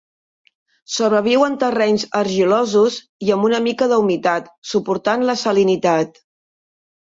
Sobreviu en terrenys argilosos i amb una mica d'humitat, suportant la salinitat.